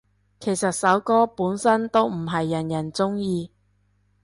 其實首歌本身都唔係人人鍾意